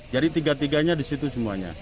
jadi tiga tiganya di situ semuanya